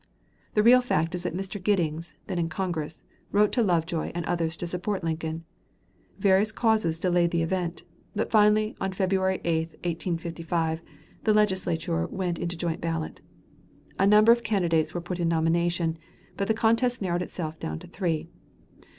The real fact is that Mr. Giddings, then in Congress, wrote to Lovejoy and others to support Lincoln. Various causes delayed the event, but finally, on February 8, 1855, the Legislature went into joint ballot. A number of candidates were put in nomination, but the contest narrowed itself down to three.